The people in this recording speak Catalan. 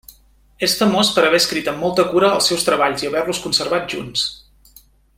És famós per haver escrit amb molta cura els seus treballs i haver-los conservat junts.